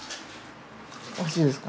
おいしいですか？